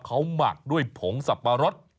เขาหมักด้วยผงสับปะรด